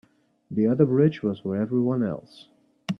The other bridge was for everyone else.